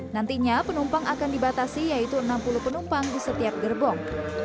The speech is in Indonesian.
nantinya penumpang akan dibatasi yaitu enam puluh penumpang di setiap gerbong